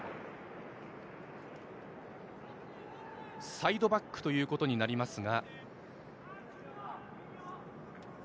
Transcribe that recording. サイドバックということになりますが。